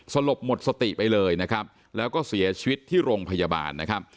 สลบหมดสติไปเลยแล้วก็เสียชีวิตที่โรงพยาบาล